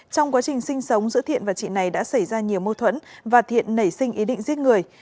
trong quá trình sinh sống giữa thiện và chị này đã xảy ra nhiều mâu thuẫn và thiện nảy sinh ý định giết người